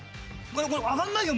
これ上がんないよ